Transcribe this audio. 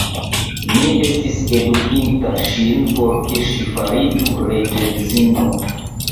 Mi estis edukinta ŝin, por ke ŝi fariĝu reĝedzino.